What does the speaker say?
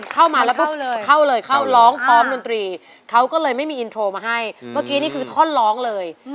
เข้ามาแล้วก็เข้าเลยเข้าร้องพร้อมดนตรีเขาก็เลยไม่มีอินโทรมาให้เมื่อกี้นี่คือท่อนร้องเลย